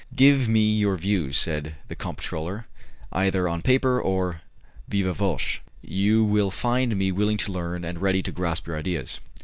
"Give me your views;" said the comptroller, "either on paper or 'viva voce'. You will find me willing to learn and ready to grasp your ideas.